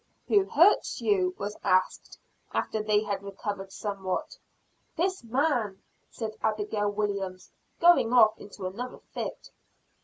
"Who hurts you?" was asked, after they had recovered somewhat. "This man," said Abigail Williams, going off into another fit.